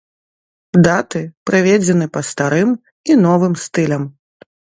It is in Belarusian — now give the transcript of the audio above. Даты прыведзены па старым і новым стылям.